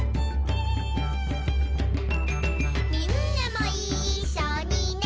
「みんなもいっしょにね」